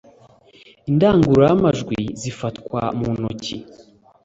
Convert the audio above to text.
indangururamajwi zifatwa mu ntoki.